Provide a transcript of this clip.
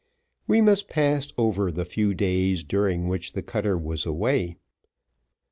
We must pass over the few days during which the cutter was away.